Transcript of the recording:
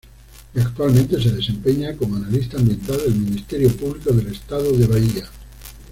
Y, actualmente se desempeña como Analista Ambiental del Ministerio Público del Estado de Bahía.